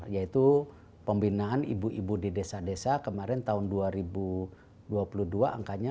yaitu pembinaan ibu ibu di desa desa kemarin tahun dua ribu dua puluh dua angkanya